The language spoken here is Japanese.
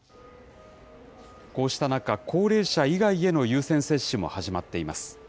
こうした中、高齢者以外への優先接種も始まっています。